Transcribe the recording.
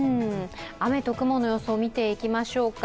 雨と雲の予想を見ていきましょうか。